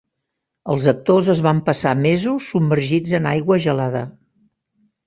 Els actors es van passar mesos submergits en aigua gelada.